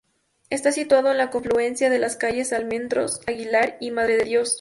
Está situado en la confluencia de las calles Almendros Aguilar y Madre de Dios.